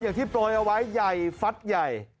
ที่โปรยเอาไว้ใหญ่ฟัดใหญ่